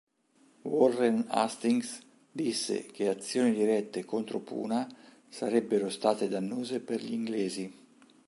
Warren Hastings disse che azioni dirette contro Puna sarebbero state dannose per gli inglesi.